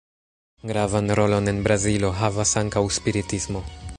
Gravan rolon en Brazilo havas ankaŭ spiritismo.